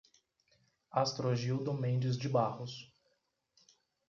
Astrogildo Mendes de Barrros